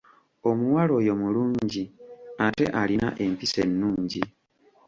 Omuwala oyo mulungi ate alina empisa ennungi.